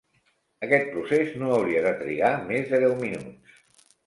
Aquest procés no hauria de trigar més de deu minuts.